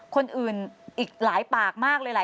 คนอื่นอีกหลายสิบปาก